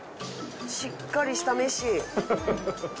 しっかりした飯。